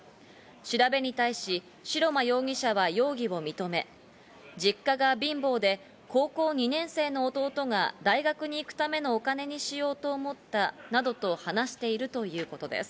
調べに対し白間容疑者は容疑を認め、実家が貧乏で、高校２年生の弟が大学に行くためのお金にしようと思ったなどと話しているということです。